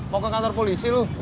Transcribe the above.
mau ke kantor polisi loh